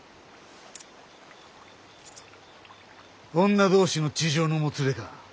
女同士の痴情のもつれか。